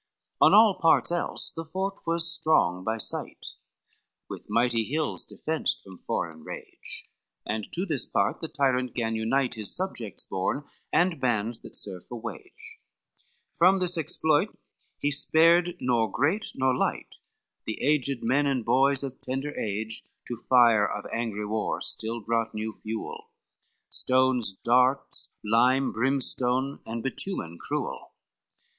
XXVI On all parts else the fort was strong by site, With mighty hills defenced from foreign rage, And to this part the tyrant gan unite His subjects born and bands that serve for wage, From this exploit he spared nor great nor lite, The aged men, and boys of tender age, To fire of angry war still brought new fuel, Stones, darts, lime, brimstone and bitumen cruel.